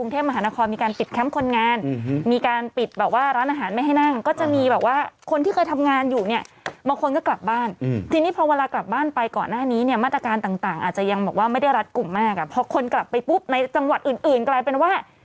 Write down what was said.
ทางแต่ละจังหวัดเขาก็จะมีมาตรการออกมาแล้วว่า